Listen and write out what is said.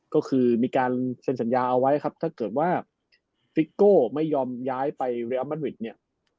ก็คือมีการเซ็นสัญญาเอาไว้ครับถ้าเกิดว่าไม่ยอมย้ายไปเนี้ย